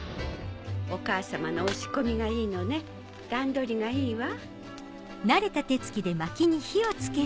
お母様のお仕込みがいいのね段取りがいいわ。